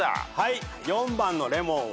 ４番のレモンは。